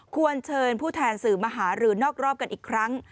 ควรเชิญผู้แทนสื่อมหารือนอกรอบกันอีกครั้ง